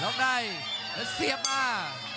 ล็อกไนด์แล้วเสียบมา